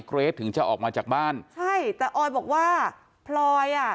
เกรทถึงจะออกมาจากบ้านใช่แต่ออยบอกว่าพลอยอ่ะ